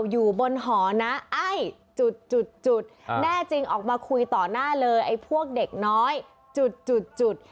อยู่บนหอนะไอ้จุดจุดแน่จริงออกมาคุยต่อหน้าเลยไอ้พวกเด็กน้อยจุดจุด